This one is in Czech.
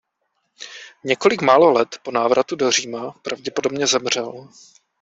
Několik málo let po návratu do Říma pravděpodobně zemřel.